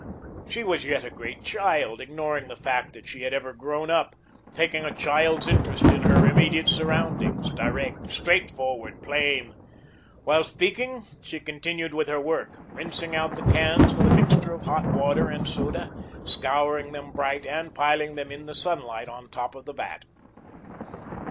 She was yet a great child, ignoring the fact that she had ever grown up, taking a child's interest in her immediate surroundings, direct, straightforward, plain. While speaking, she continued about her work, rinsing out the cans with a mixture of hot water and soda, scouring them bright, and piling them in the sunlight on top of the vat.